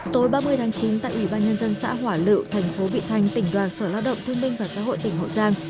tối ba mươi tháng chín tại ủy ban nhân dân xã hỏa lự tp vị thành tỉnh đoàn sở lao động thương minh và xã hội tỉnh hậu giang